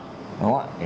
đúng không ạ